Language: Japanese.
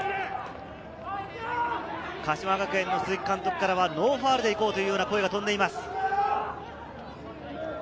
鹿島学園の鈴木監督からはノーファウルでいこうという声が飛んでいます。